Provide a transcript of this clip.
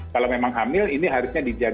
kalau memang hamil ini harusnya dijaga